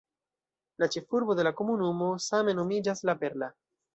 La ĉefurbo de la komunumo same nomiĝas "La Perla".